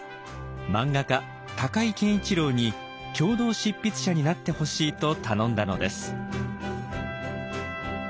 漫画家高井研一郎に共同執筆者になってほしいと頼んだのです。